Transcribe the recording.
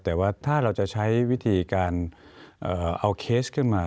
แต่ว่าถ้าเราจะใช้วิธีการเอาเคสขึ้นมา